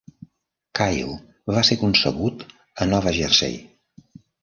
Kyle va ser concebut a Nova Jersey.